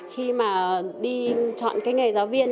khi mà đi chọn cái nghề giáo viên